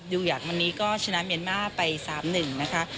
อยากวันนี้ก็ชนะเมียนมาร์ไป๓๑นะคะ